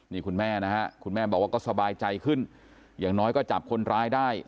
นี่คุณแม่นะฮะคุณแม่บอกว่าก็สบายใจขึ้นอย่างน้อยก็จับคนร้ายได้